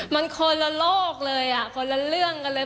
มันคนละโลกเลยคนละเรื่องกันเลย